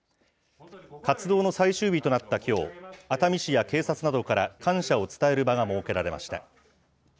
活動の最終日となったきょう、熱海市や警察などから感謝を伝える場が設けられました。